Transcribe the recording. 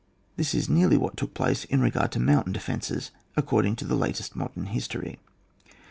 This is nearly what took place in regard to mountain defences according to the latest modem history.